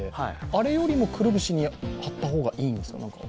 あれよりもくるぶしに貼った方がいいんですか。